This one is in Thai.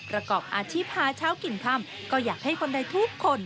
ประกอบอาชีพหาเช้ากินค่ำก็อยากให้คนใดทุกคน